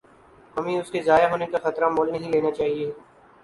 ہمیں اس کے ضائع ہونے کا خطرہ مول نہیں لینا چاہیے۔